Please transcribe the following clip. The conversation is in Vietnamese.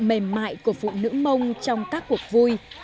mềm mại của phụ nữ mông trong các cuộc vui